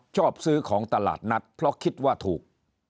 ชอบซื้อของตลาดนัดเพราะคิดว่าถูก